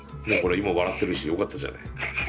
今笑ってるしよかったじゃない。